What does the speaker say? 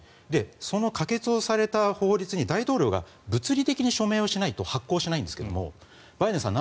その可決をされた法律に大統領が物理的に署名をしないと発効しないんですがバイデンさん